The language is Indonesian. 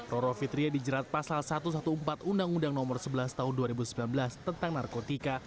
roro fitria dijerat pasal satu ratus empat belas undang undang nomor sebelas tahun dua ribu sembilan belas tentang narkotika